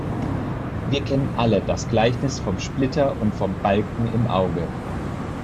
Wir kennen alle das Gleichnis vom Splitter und vom Balken im Auge.